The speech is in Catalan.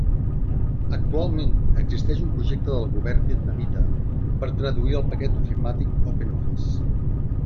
Actualment existeix un projecte del Govern vietnamita per traduir el paquet ofimàtic OpenOffice.